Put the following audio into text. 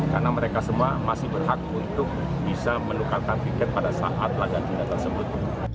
karena mereka semua masih berhak untuk bisa menukarkan tiket pada saat laga tunda tersebut